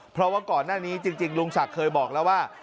เพราะว่าก่อนหน้านี้จริงลุงศักดิ์เคยบอกแล้วว่า